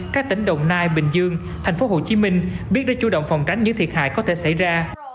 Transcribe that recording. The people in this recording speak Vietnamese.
các tỉnh đồng nai bình dương thành phố hồ chí minh biết đã chủ động phòng tránh những thiệt hại có thể xảy ra